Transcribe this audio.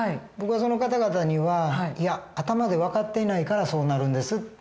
僕はその方々にはいや頭で分かっていないからそうなるんです。